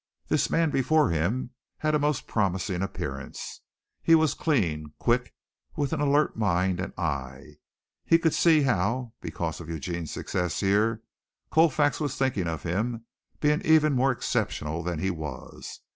This man before him had a most promising appearance. He was clean, quick, with an alert mind and eye. He could see how, because of Eugene's success here, Colfax was thinking of him being even more exceptional than he was.